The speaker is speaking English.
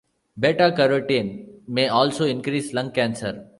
Beta-carotene may also increase lung cancer.